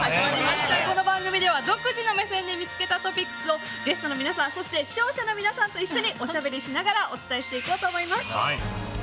この番組では独自の目線で見つけたトピックスをゲストの皆さん、そして視聴者の皆さんと一緒におしゃべりしながらお伝えしていこうと思います。